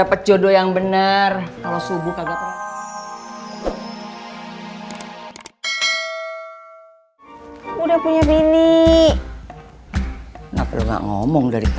assolatu khairum minan naum